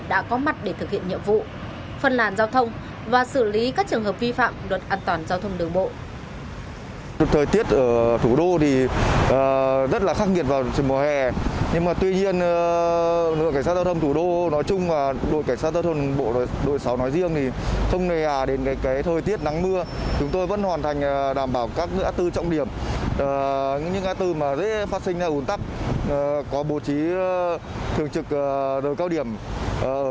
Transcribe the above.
đã có mặt để thực hiện nhiệm vụ phân làn giao thông và xử lý các trường hợp vi phạm luật an toàn giao thông đường bộ